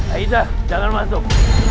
aizah jangan masuk